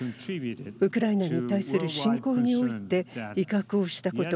ウクライナに対する侵攻において威嚇をしたこと。